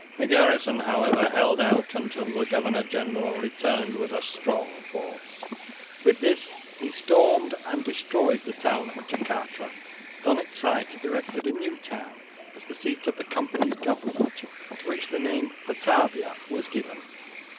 The garrison however held out until the governor general returned with a strong force. With this he stormed and destroyed the town of Jacatra and on its site erected a new town, as the seat of the company's government, to which the name Batavia was given.